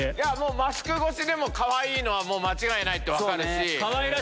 マスク越しでもかわいいのは間違いないって分かるし。